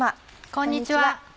こんにちは。